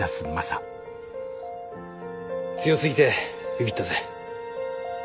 強すぎてビビったぜ。